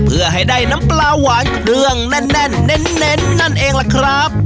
เพื่อให้ได้น้ำปลาหวานเครื่องแน่นเน้นนั่นเองล่ะครับ